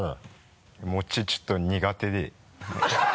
餅ちょっと苦手で。